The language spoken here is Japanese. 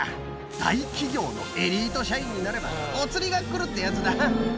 大企業のエリート社員になれば、お釣りがくるってやつだ。